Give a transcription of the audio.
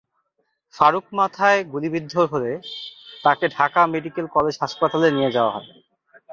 ফারুক মাথায় গুলিবিদ্ধ হলে তাঁকে ঢাকা মেডিকেল কলেজ হাসপাতালে নিয়ে যাওয়া হয়।